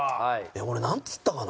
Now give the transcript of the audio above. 俺なんつったかな。